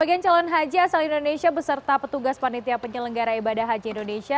sebagian calon haji asal indonesia beserta petugas panitia penyelenggara ibadah haji indonesia